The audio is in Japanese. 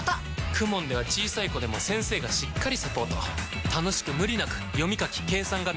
ＫＵＭＯＮ では小さい子でも先生がしっかりサポート楽しく無理なく読み書き計算が身につきます！